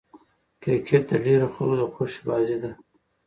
کرکټ د ډېرو خلکو د خوښي بازي ده.